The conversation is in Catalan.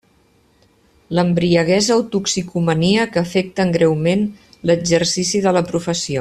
L'embriaguesa o toxicomania que afecten greument l'exercici de la professió.